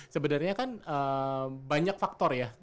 sebenarnya kan banyak faktor ya